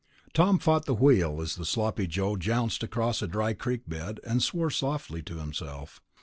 Tom fought the wheel as the Sloppy Joe jounced across a dry creek bed, and swore softly to himself.